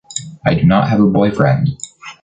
I do not have a boyfriend.